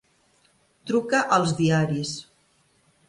Truca als diaris.